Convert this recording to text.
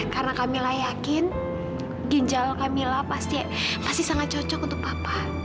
karena kamilah yakin ginjal kamilah pasti sangat cocok untuk papa